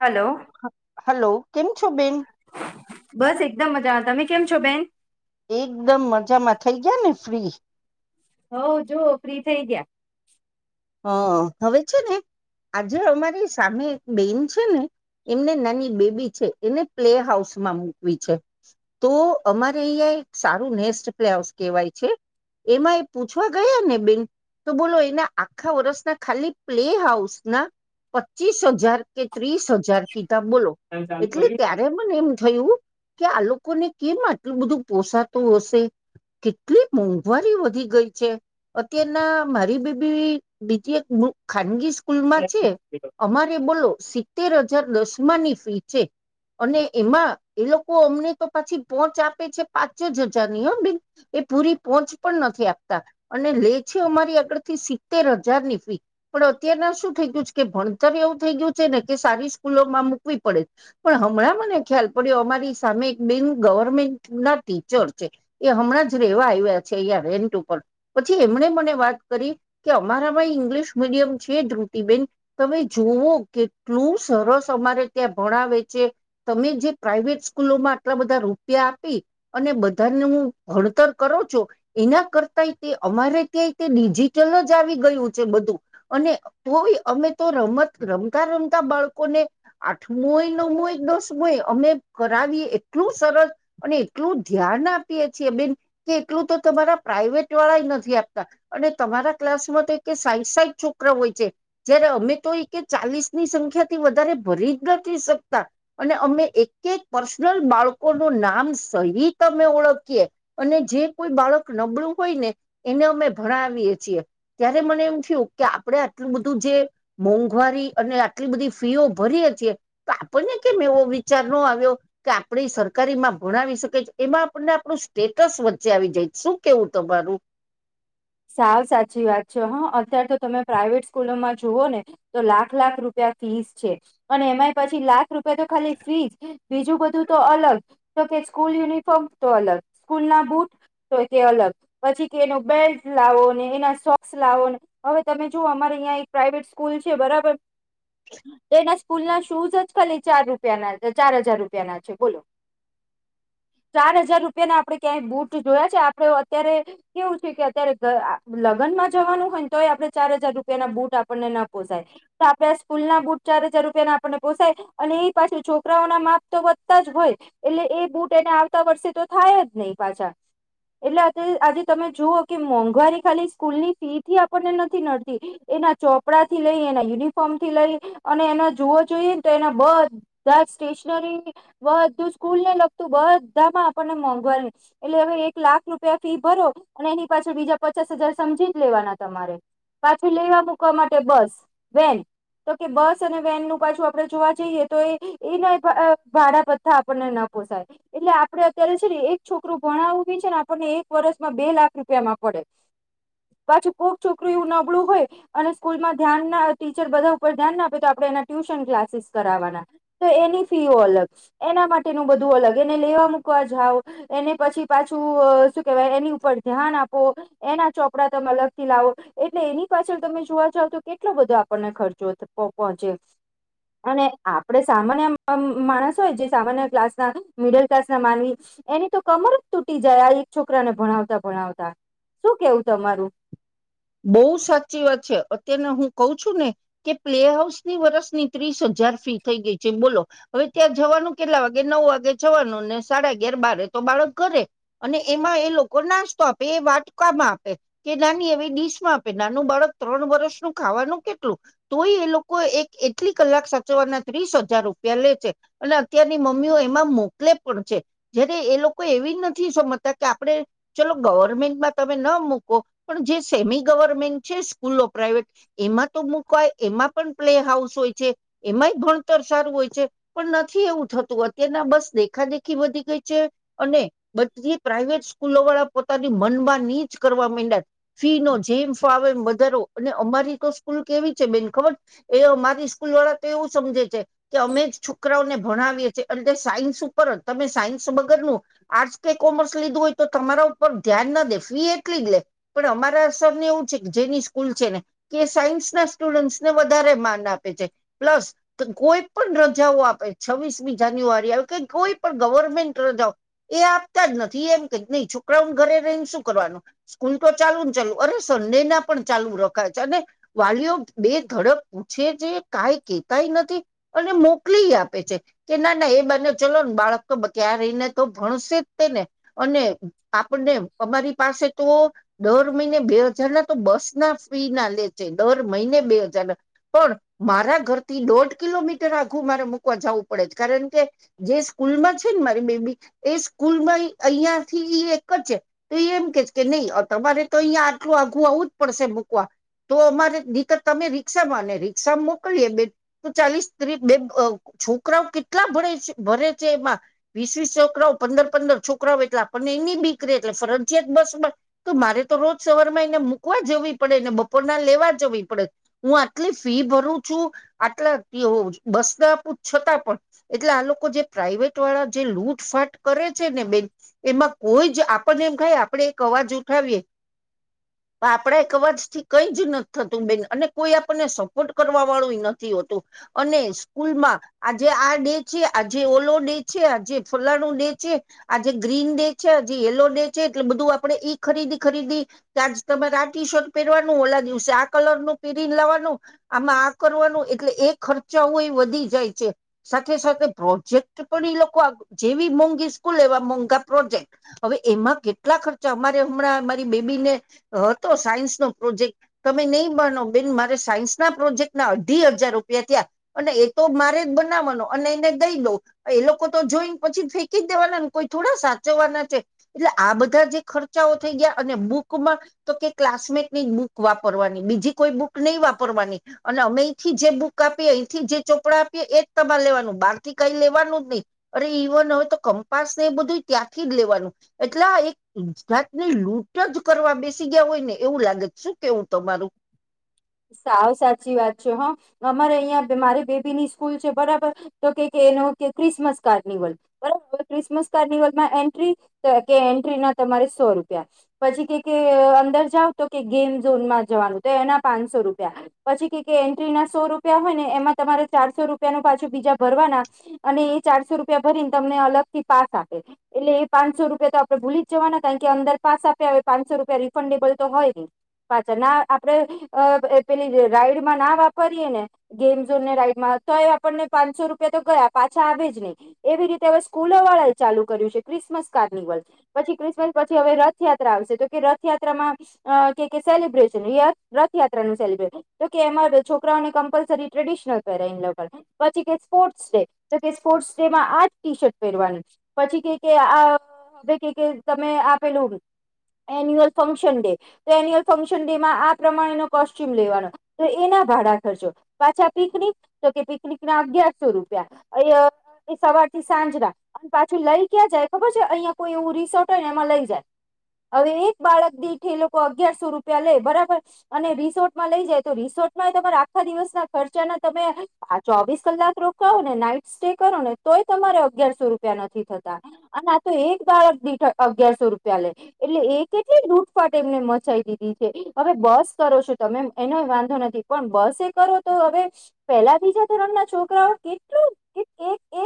Hello હ hello, કેમ છો બેન? બસ એકદમ મજામાં. તમે કેમ છો બેન? એકદમ મજામાં થઈ ગયા ને ફ્રી? હોઉ જો ફ્રી થઈ ગ્યા. હં હવે છે ને આજે અમારી સામે એક બેન છે ને એમને નાની બેબી છે, એને પ્લે હાઉસમાં મૂકવી છે. તો અમારે અઈયા એક સારું નેસ્ટ પ્લેઆઉસ કહેવાય છે. એમાં એ પૂછવા ગયા ને બેન તો બોલો એના આખા વરસના ખાલી પ્લે હાઉસના પચીસ હજાર કે ત્રીસ હજાર કી ધા બોલો એટલે ગયા ત્યારે મને એમ થયું કે આ લોકોને કેમ આટલું બધું પોસાતું અશે? કેટલી મોંઘવારી વધી ગઈ છે અત્યારના મારી બે બી બીજી એક [unintelligible] ખાનગી સ્કૂલમાં છે અમારે બોલો સિત્તેર હજાર દસમાંની ફી છે. અને એમાં એ લોકો અમને તો પછી પોંચ આપે છે પાંચ જ અજાર ની હં બેન પૂરી પોંહચ પણ નથી આપતા અને લે છે અમારી આગળ થી સિત્તેર હજારની ફી પણ અત્યારના શું થઈ ગયું છ કે ભણતર એવું થઈ ગયું છે ને કે સારી સ્કૂલોમાં મૂકવી પડે પણ હમણાં મને ખ્યાલ પડ્યો અમારી સામે એક બેન ગવર્મેન્ટના ટીચર છે એ હમણાં જ રેવા આય્વા છે અઈયા રેન્ટ ઉપર પછી એમણે મને વાત કરી કે અમારામાં ઇંગ્લિશ મીડિયમ છે ધ્રુતિબેન તમે જોવો કેટલુ સરસ અમારે ત્યાં ભણાવે છે તમે જે પ્રાાઈવેટ સ્કૂલોમાં આટલા બધા રૂપિયા આપી અને બધાનું ભણતર કરું છો એના કરતાય તે અમારે ત્યાંય તે ડિ જીટલ જ આવી ગયું છે બધું અને તોય અમે તો રમત રમતા રમતા બાળ કોને આઠમુંય, નવમુંય, દસમુંય અમે કરાવીએ એટલું સરસ અને એટલું ધ્યાન આપીએ છીએ બેન કે એટલું તો તમારા પ્રાઈવેટ વાળાય નથી આપતા. અને તમારા ક્લાસમાં તો એ કે સાઈઠ સાઠ છોકરા હોય છે જયારે અમે તો એ કે ચાલીસ ની સંખ્ ખ્યાથી વધારે ભરી જ નથી શકતા અને અમે એક એક પર્સનલ બાળકોનું નામ સહિત અમે ઓળખીએ અને જે કોઈ બાળક નબળું હોય ને એને અમે ભણાવીએ છીએ ત્યારે મને એમ થયું કે આપડે આટલું બધું જે મોંઘવારી અને આ ટલી બધી ફીઓ ભરીએ છીએ તો આપણને કેમ એવો વિચાર નો આવ્યો કે આપડી સરકારીમાં ભણાવી શકે છે એમાં આપણને આપડું સ્ટેટસ વચ્ચે આવી જાય શું કેવું તમારું? સાવ સાચી વાત છે હા અત્યારે તો તમે પ્રાઈવેટ સ્કૂલોમાં જુઓ ને તો લાખ લાખ રૂપિ યા ફીસ છે અને એમાં પછી લાખ રૂપિયા તો ખાલી ફીજ બીજું બધું તો અલગ તો કે સ્કૂલ યુનિફોર્મ તો અલગ સ્કૂલ ના બુટ તોએ તે અલગ પછી કે એનો બેલ્ટ હું લાવો ને એના સોક્સ લાવો ને હવે તમે જોુઓ અમારે અહીં એક પ્રાઇવેટ સ્કૂલ છે બરાબર એનાસ સ્કૂલ ના શૂઝ જ ખાલી ચાર રૂપના ચાર હજાર રૂપિયાના છે બોલો. ચાર હજાર રૂપિયા ના આપડે ક્યાંય બુટ જોયા છે આપડે અત્યારે કેવું છે કે અત્યારે ગ આ લગ્નમાં જવાનું હોય ને તો આપડે ચાર હજાર રૂપિયા ના બુટ આપણને ના પોસાય તો આપડે સ્કૂલ ના બૂટ ચાર હજાર રૂપિયા ના આપને પોસાય અને એ પાછે છોકરાઓ ના માપ તો વધતા જ હોય એટલે એ બુટ એને આવતા વર્ષે તો થાય જ નહી પાછા. એટલે આજે તમે જુઓ કે મો ઘવારી ખાલી સ્કૂલ ની ફી થી આપણને નથી નડતી એના ચોપડા થી લઈ એના યુનિફોર્મ થી લઈ અને એના જોવા જોઈએ ને તો એના બધા સ્ટેશનરી બધું સ્કૂલને લ તો બધામાં આપણને મોંઘવારીને એટલે હવે એક લાખ રૂપિયા ફી ભરો અને એની પાછળ બીજા પચાસ હજાર સમજી જ લેવાના તમારે પાછું લેવા મૂકવા માટે બસ વેન. તો કે બસ અને વેન નું પાછું આપડે જોવા જઈએ તો એ એ અહ ભાડા ભથ્થા આપણને ન પોસાય. એટલે આપડે અત્યારે છે ને એક છોકરું ભણાવું બી છે ને આપણને એક વર્ષમાં બે લાખ રૂપિયા મા પડે. પાછી કોક છોકરું એવું નબળું હોય અને સ્કૂલ માં ધ્યાન ના ટીચર બધા ઉપર ધ્યાન ના આપે તો આપડે એના ટ્યુશન ક્લાસીસ કરવાના તો એની ફી ઓ અલગ એના માટેનું બધું અલગ એને લેવા મૂકવા જાવ એને પછી પાછું અહ શું કેવાય એની ઉપર ધ્યાન આપ તો એના ચોપડા તમે અલગ થી લાવો એટલે એની પાછળ તમે જોવા જાવ તો કેટલો બધો આપણને ખર જોએ તો પો પહોંચે અને આપણે સામાન્ય મ માણસ હોય જે સામાન્ય ક્લાસ ના મિડલ ક્લાસના માનવી એની તો કમર જ તૂટી જાય આ એક છોકરાને ભણાવતા ભણાવતા શું કેવું તમારું? બઉ સાચી વાત છે અત્યારના હું કઉ છું ને કે પ્લે હાઉસની વરસની ત્રીસ અ જાર ફી થઈ ગઈ છે બોલો હવે ત્યાં જવાનું કેટલા વાગે નવ વાગે જવાનું ને સાડા અગયાર બારે તો બાળક ઘરે અને એમાં એ લોકો નાસ્તો આપે એ વાટકામાં આપે કે નાની એવી ડી સમાં આપે નાનું બાળક ત્રણ વરસનું ખાવાનું કેટલું? તોય એ લોકો એક એટલી કલાક સાચ ચવાના ત્રીસ હજાર રૂપિયા લે છે અને અત્યારની મમ્મીઓ એમાં મોકલે પણ છે, જ્યારે એ લો કો એવી જ નથી સમજતા કે આપણે ચલો ગવર્મેન્ટમાં તમે ન મૂકો પણ જે સેમી ગવર્મેન્ટ છે સ્કૂલો પ્રાાઈવેટ એમાં તો મૂકાય, એમાં પન પ્લે હાઉસ હોય છે. એમાંય ભણતર સારું હોય છે, પણ નથી એવું થતું અત્યારના બસ દેખા દેખી વધી ગઈ છે. અને બધી પ્રાાઈવેટ સ્કૂલોવાળા પોતાની મનમાની જ કરવા માંયડા- ફી નો જેમ ફાવે એમ વધારો અને અમારી તો સ્કૂલ કેવી છે બેન ખબર એ અમારી સ્કૂલ વાળા તો એવું સમજે છે કે અમે જ છોકરાઓને ભણાવીએ છે. અને તે સાયન્સ ઉપર જ તમે સાયન્સ વગરનું આર્ટસ કે કોમર્સ લીધું હોય તો તમારા ઉપર ધ્યાન ન દે, ફી એટલી જ લે. પણ અમારા સરને એવું છે જેની સ્કૂલ છે ને કે સાયન્સ ના સ્ટુડન્ટસને વધારે માન આપે છે પ્લસ કોઈ પણ રજાઓ આપે છવ્વીસમી જાન્યુઆરી આવે કે કોઈ પણ ગવર્ મેન્ટ રજાઓ એ આપતા જ નથી એ એમ કે છ નઈ છોકરાઓન ઘરે રઈન શું કરવાનું સ્કૂલ તો ચાલુ ન ચાલુ અરે સંડેના પણ ચાલુ રખાય છે અને વાલીઓ બે ધડક પૂછે તે કાંઈ કેતાય નથી અને મોકલીય આપે છે કે ના ના એ બાને ચલો ને બાળક [unintelligible] તો ભણશે જ તેને અને આપણને અમારી પાસે તો દર મહિને બે હજારના તો બસના ફી ના લે છે, દર મઈને બે હજાર ના પણ મારા ઘરથી દોઢ કિલોમીટર આઘું મારે મૂકવા જાવું પડે છ કારણ કે જે સ્કૂલમાં છે ન મારી બેબી એ સ્કૂલમાં અયાં થીઈ એક જ છે તો ઈ એમ કહે છે કે અહ તમારે તો અયાં આટલું આખું આવવું જ પડશે મૂકવા. તો અમારે દિકત તમે રિક્ષામાં અને રિક્ષામાં મોકલીએ બેન તો ચાલીશ ત્રી બેન અહ છોકરાઓ કેટલા ભણે છે ભરે છે એમાં વીસ વીસ છોકરાઓ પંદર પંદર છોકરાઓ એટલા આપણને એની બીક રહે એટલે ફરજીયાત બસ બ તો મારે તો રોજ સવાર માં એને મૂકવા જવી પડે ને બપોરના લેવા જવી પડે. હું આટલી ફી ભરૂ છું આટલા કેઓ બસ ના આપું છતાં પણ એટલે આ લોકો જે પ્રાઈવેટ વ જે લૂટફાટ કરે છે ને બેન એમાં કોઈ જ આપણને એમ ખાય આપડે એક અવાજ જુ ઠાવીએ આપણે એક અવાજ થી કઈ જ નથી થતું બેન અને કોઈ આપણને સપોર્ટ કરવા વાળું નથી હોતું અને સ્કૂલમાં આજે આ ડે છે આજે ઓલો ડે છે આજે ફલાણું ડે છે આજે ગ્રીન ડે છે આ જે યલો ડે છેએટલે બધું આપડે ઈ ખરીદી ખરીદી ત્યાંજ તમારે આ ટી શર્ટ પેરવાનું ઓલા દિવસે આ કલર નું પેરીને લાવાનું આમાં આ કરવાનું એટલે એ ખર્ચાઓ એ વધી જાય છે સાથે સાથે પ્રોજેક્ટ પણ જેવી મોંઘી સ્કૂલ એવા મોંઘા પ્રોજેક્ટ અવે એમાં કેટલા ખર્ચા અમા હમણાં મારી બેબીને હતો સાયન્સ નો પ્રોજેક્ટ તમે નહીં બનો બેન મારે સાયન્સ પ્રોજેક્ટ ના અઢી હજાર રૂપિયા તયા અને એ તો મારે જ બનાવાનો અને એને દઈ દ એ લોકો તો જોઈને પછી ફેંકી જ દેવાના ને કોઈ થોડા સાચવવાના છે. એટલે આ બધા જે ખર્ચ ચાઓ થઈ ગયા અને બુક માં તો કે ક્લાસમેટ ની બુક વાપરવાની બીજી કોઈ બુક નઈ વાપરવા અને અમેથી જે બુક આપીએ અયંથી જે ચોપડા આપીએ એ જ તમારે લેવાનું બારથી કઈ લેવાનું [unintelligible] અરે ઈવન અવે તો કંપાસ એ બધું ત્યાંથી જ લેવાનું એટલા એક જાતની લૂંટ જ કરવા બેસી ગયા હોય ને એવું લાગે શું કેવું તમારું સાવ સાચી વાત છે હા અમારે અહિયાં મારી બેબીની સ્કૂલ છે બરાબર તો કેઈ કે ક્રિસમસ [unintelligible] ક્રિસમસ કાર્નિવલમાં એન્ટ્રી તકે એન્ટ્રીના તમારે સો રૂપિયા પછી કે કે અંદર જાવ તો કે ગેમ ઝોનમાં જવાનું તો એના પાંચસો રૂપિયા પછી કે કે એન્ટ્રી ના સો રૂપિયા હોય ને એમાં તમારે ચારસો રૂપિયા નું પાછું બીજા ભરવા અને એ ચારસો રૂપિયા ભરીને તમને અલગ થી પાસ આપે એટલે એ પાંચસો રૂપિયા તો આપડે ભૂલી જવાના કારણ કે અંદર પાસ આપી આવે પાંનસો રૂપિયા રિફંડેબલ તો હોય ન પાછળ ના આપડે અ પેલી રાઈડમાં ના વાપરીએે ને ગેમ ઝોન ને રાઈડ માં તો આપણને પાંચસો રૂપિયા તો ગયા પાછા આવે જ નહી એવી રીતે હવે સ્કૂલ વાળા ચાલુ કર્યું છે ક્રિસમસ કાર્નિવલ પછી ક્રિસમસ પછી હવે રથયાત્રા આવશે તો કે રથયાત્રામાં અ કે સેલિબ્રેશન ય રથયાત્રા નું સેલિબ્રટન જો એમાં છોકરાઓને કમ્પલસરી ટ્રેડિશનલ પહેરા પછી કે સ્પોર્ટ્સ ડે તો કે સ્પોર્ટ્સ ડે માં આ જ ટી શર્ટ પહેરવાનું પછી કે કે આ કે કે તમે આપેલું એન્યુઅલ ફંક્શન ડે તો એન્યુઅલ ફંક્શન ડે માં આ પ્રમા કોસયુમ લેવાનો તો એના ભાડા ખર્ચો પાછા પિકનિક કે પનિક સો રૂપીયા સવાર થી સાંજ ના અને પાછું લઈ ક્યા જાય ખબર છે અહિયાં કોઈ રિસોર્ટ હોયને એમાં લઈ જાય હવે એક બાળક દીઠ એ લોકો અગિયારસો રૂપિયા લે બરાબર અને રિસોર્ટમાં લઈ જાય તો રિસોર્ટમાં તમારા આખા દિવસના ખર્ચાના તમે આ ચોવીસ કલાક લાક રોકાઓને નાટ સ્ટે કરો ને તોય તમારે અગિયારસો રૂપિયા નથી થતા અને આ તો એક દીઠ અગિયારસો રૂપિયા લે એટલે એ કેટલી લૂટફાટ એમને મચાય દીધી છે અવે બસ કરો છો તમે એનો વાંધો નથી પણ બસ એ કરો તો હવે પેલા બીજા ધોરણ ના છો છોકરાઓ કેટલુ એ એ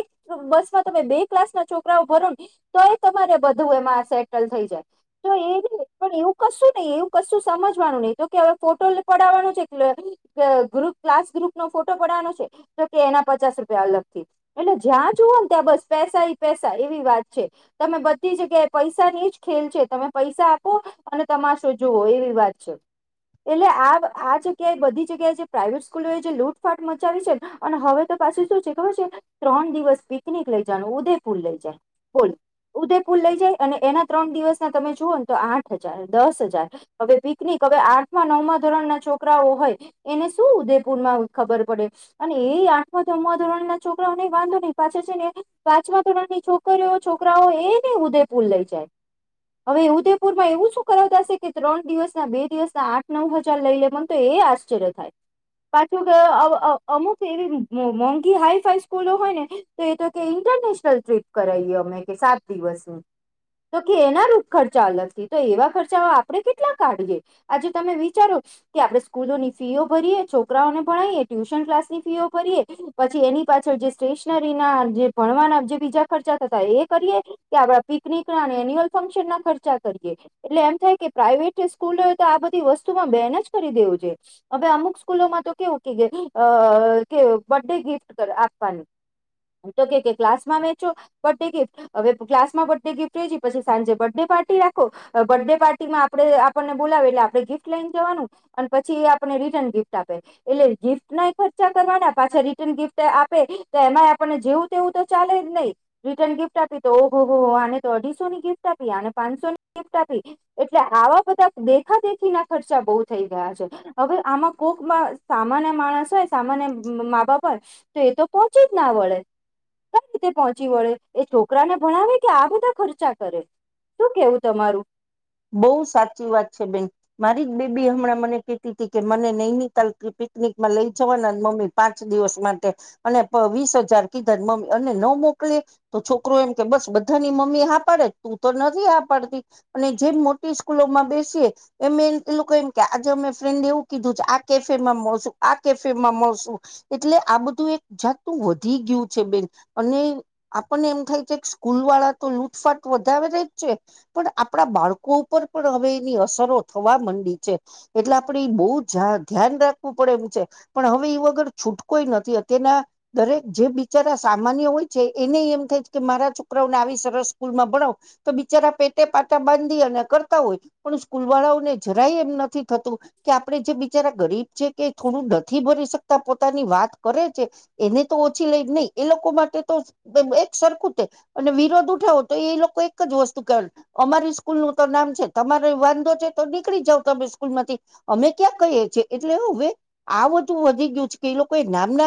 બસમાં તમે બે ક્લાસ ના છોકરાઓ ભરોને તો રે બધુ એમાં સેટલ થઈ જાય તો એ ન પણ એવું કશું નહી એવું કશું સમ [unintelligible] તો કે હવે ફોટો પડવાનો છે ગ ક્લાસ ગ્રુપ નો ફોટો પડવાનો છે. તો કે એના પચાસ રૂપિયા અલગ થી એટલે જ્યાં જુઓ ને ત્યાં બસ પૈસા પેસા એવી વાત છે. તમે બધી જગ્યાએ પૈસા ની જ ખેલ છે તમે પૈસા આપો અને તમાશો જુઓ એવી વાત છે. એટલે આ આ જગ્યાએ બધી જગ્યાએ જે પ્રાાઈવેટ સ્કૂલો એ જે લૂટફાટ મચાવી છે ને અને હવે તો છી શું છે ખબર છે ત્રણ દિવસ પિકનિક લઈ જનું ઉદયપુર લઈ જાય બોલ ઉદયપુર લઈ જાય અને એના ત્રણ દિવસના તમે જુઓ ને તો આઠ હજાર દસ હજાર હવે પિ કનીક અવે આઠમાં નવ ધોરણ ના છોકરાઓ હોય એને શું ઉદેપુરમાં ખબર પડે અને એ આઠમા ધોરણના છોકરાઓ ને વાંધો નહી પાછા છે ને પાંચમા ધોરણની છોકરીઓ છોકરાઓ એ ને ઉદયપુર લઈ જાય હવે ઉદયપુરમાં એવું શું કરાવતાશે કે ત્રણ દિવસ બે દિવસ આઠ નવ હજાર લઈ લે પણ તો એ આશ્ચર્ય થાય. પાછું કે અ અમુક એવી મોંઘી હાઈ ફાઈ સ્કૂલો હોય ને તો એ તો કેઇ. ઇન્ટરનેશનલ ટ્રીપ કરાવએ અમે કે સાત દિવસની તો કે એના ખર્ચા અલગથી તો એવા ખર્ચાઓ આપણે કેટલા કાઢએ આજે તમે વિચારો કે આપણે સ્કૂલોની ફીઓ ભરીએ છોકરાઓને ભણાએ ટ્યુશન ક્લા ની ફી ભરીએ પછી એની પાછળ જે સ્ટેશનરી ના જે ભણવાના જે બીજા ખર્ચા થતા એ. એ કરીએ કે આપડા પિકનિક ના એન્યુઅલ ફંક્શન ના ખર્ચા કરીએ એટલે એમ થાય કે પ્રાઈવેટ. સ્કૂલો તો આ બધી વસ્તુમાં બેન જ કરી દેવું છે હવે અમુક સ્કૂલોમાં તો કેવું ક અ અ કે બર્ડે ગિફ્ટ આપવાની. તો કે ક્લાસ માં વેચો બર્થ ડે ગિફ્ટ હવે ક્લાસમાં બર્ડે ગિફ્ટ વેચી પછી સાંજે બર્થ ડે. પાર્ટી રાખો બર્ડે પાર્ટી માં. આપણે આપણને બોલાવે એટલે આપણે ગિફ્ટ લઈને જવાનું અને પછી એ આપણને રિટર્ન ગિફ્ટ આપે એટલે ગિફ્ટ. એના ખર્ચા કરવાના પાછા રિટર્ન ગિફ્ટ આપે તો એમાં આપણને જેવું તેવું તો ચાલે જ નહીં રિટન ગિફ્ટ આપી તો ઓહો હો હો આ તો અઢીસોની ગિફ્ટ આપી અને પાંચસોની ગિફ્ટ આપી. એટલે આવા બધા દેખા દેખી ના ખર્ચા બહુ થઈ ગયા છે હવે આમાં કોકમાં સામાન. માણસ હોય સામાન્ય મા બાપ હોય તો એ તો પહોંચી જ ના વડે. કઈ રીતે પહોંચી વળે એ છોકરાને ભણાવે કે આ બધા ખર્ચા કરે. શું કેવું તમારું. બહુ સાચી વાત છે બેન મારી જ બેબી હમણાં મને કેતી તી કે મને નેનિતાલ પિક પિકનિક મા લ‌ઇ જવાના મમ્મી પાંચ દિવસ માટે અને પ વીસ હજાર કીધા મમ્મી અને ન મોક. તો છોકરો એમ કે બસ બધાની મમ્મી હા પડે તું તો નથી હા પાડતી અને. જેમ મોટી સ્કૂલોમાં બેસીએ એમે એ લોકો એમ કે આજે અમે ફ્રેન્ડ એવું કીધું છે આ કેફેમાં. મળસુ આ કેફેમાં મળશું એટલે આ બધું એક જાતતું વધી ગયું છે બેન અને. એમ આપણને એમ થાય છે સ્કૂલ વાળા તો લૂટફાટ વધારે ર જ છે પણ આપણા બાળકો. લોકો ઉપર પણ હવે એની અસરો થવા માંડી છે એટલે આપે એ બહું ધ્યાન રાખવું પડે હુ છે પણ હવે એ વગર છૂટકોઈ નથી અત્યારના દરેક જે બિચારા સામાન્ય હોય છે એને એમ થ કે મારા છોકરાઓને આવી સરસ સ્કૂલમાં ભણાવો તો બિચારા પેટે પાતા બંધ અને કરતા હોય પણ સ્કૂલ વાળાઓને જરાય એમ નથી થતું કે આપણે જે બિચારા ગરીબ છે કે થોડું નથી ભરી શકતા પોતાની વાત કરે છે એને તો ઓછી લઈ નહી એ લોકો માટે એક સરખું તે અને વિરોધ ઉઠાવો તો એ લોકો એક જ વસ્તુ કેવાય અમારી સ્કૂલ નું તો નામ છે તમારો વાંધો છે તો નીકળી જાવ તમે સ્કૂલ માંથી અમે ક્યાં કહીએ છીએ એટલે હવે આ બધું વધી ગયું છે કે એ લોકો નામના